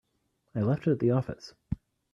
I left it at the office.